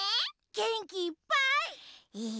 げんきいっぱい。